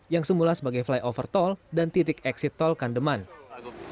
yang semula sebagai flyover tol dan titik exit tol kandeman